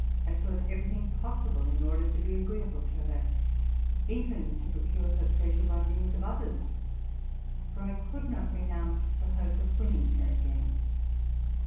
I sought every thing possible in order to be agreeable to her, even to procure her pleasure by means of others; for I could not renounce the hope of winning her again.